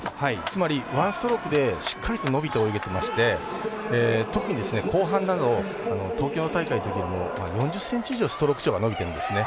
つまり、ワンストロークでしっかりと伸びて泳げてまして特に後半など東京大会のときよりも４０ｃｍ以上、ストローク長が伸びてるんですね。